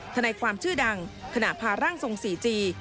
ทนายความชื่อดังขณะพาร่างทรงสี่จี